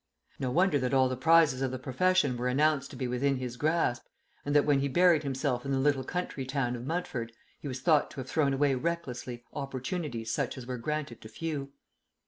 No wonder that all the prizes of the profession were announced to be within his grasp, and that when he buried himself in the little country town of Mudford he was thought to have thrown away recklessly opportunities such as were granted to few.